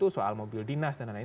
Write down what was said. soal mobil dinas dan lain lain